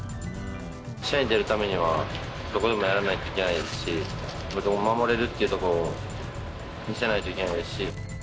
試合に出るためには、どこでもやらないといけないですし、どこでも守れるっていうところを見せないといけないですし。